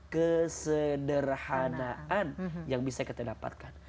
kesederhanaan yang bisa kita dapatkan